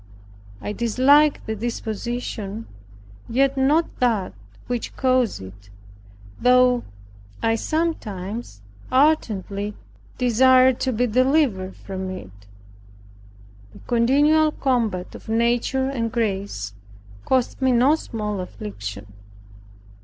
I disliked the disposition, yet not that which caused it, though I sometimes ardently desired to be delivered from it. The continual combat of nature and grace cost me no small affliction.